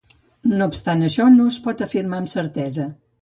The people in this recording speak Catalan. No obstant això, no es pot afirmar amb certesa.